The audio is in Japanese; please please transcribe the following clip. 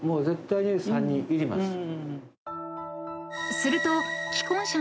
［すると］